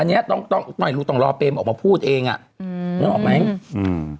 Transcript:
อันนี้ต้องต้องไม่รู้ต้องรอเปรมออกมาพูดเองอ่ะอืมนึกออกไหมอืม